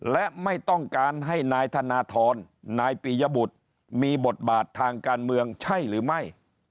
และไม่ต้องการให้นายธนทรนายปียบุตรมีบทบาททางการเมืองใช่หรือไม่